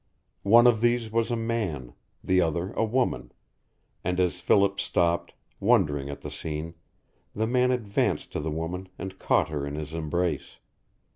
One of these was a man, the other a woman, and as Philip stopped, wondering at the scene, the man advanced to the woman and caught her in his embrace.